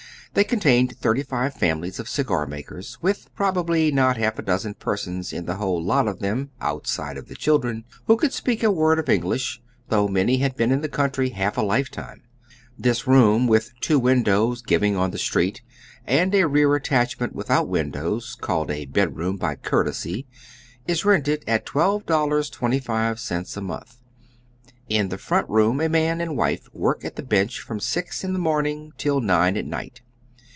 They contained thirty five families of cigar makers, with probably not half a dozen persons in the whole lot of them, outside of the children, who could speak a word of English, though many had been in the country half a lifetime. This room with two windows giving on the street, and a rear attachment without windows, called a bedroom by courtesy, is rented at $12.25 a month. In the front room man and wife work at the bench from six in the morning till nine at night.